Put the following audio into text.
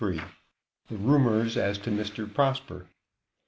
THE RUMORS AS TO MR. PROSPER.